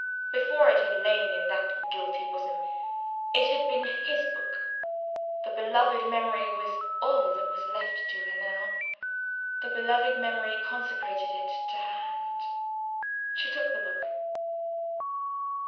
Before it had lain in that guilty bosom, it had been his book. The beloved memory was all that was left to her now; the beloved memory consecrated it to her hand. She took the book.